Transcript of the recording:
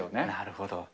なるほど。